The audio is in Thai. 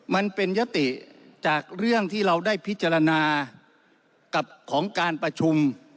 มันเป็นยติจากเรื่องที่เราได้พิจารณากับของการประชุม